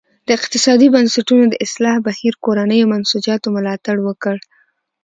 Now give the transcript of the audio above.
د اقتصادي بنسټونو د اصلاح بهیر کورنیو منسوجاتو ملاتړ وکړ.